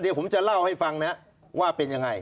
เดี๋ยวผมจะเล่าให้ฟังนะว่าเป็นยังไง